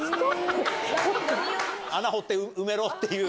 穴掘って埋めろっていう。